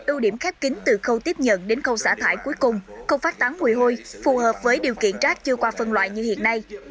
ưu điểm khép kính từ khâu tiếp nhận đến khâu xả thải cuối cùng không phát tán nguy hôi phù hợp với điều kiện rác chưa qua phân loại như hiện nay